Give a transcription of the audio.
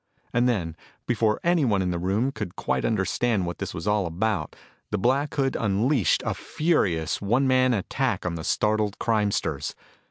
And then, before anyone in the room could quite understand what this was all about, the Black Hood unleashed a furious one man attack on the startled crimesters.